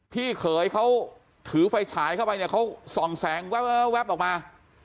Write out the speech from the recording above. พี่เขยเขาถือไฟฉายเข้าไปเนี่ยเขาส่องแสงแว๊บออกมา